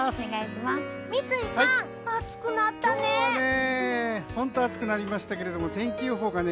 三井さん、暑くなったね。